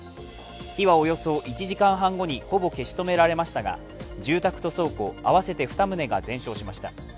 火はおよそ１時間半後にほぼ消し止められましたが住宅と倉庫合わせて２棟が全焼しました。